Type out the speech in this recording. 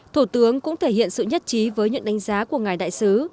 thủ tướng cũng thể hiện sự nhất trí với những đánh giá của ngài đại sứ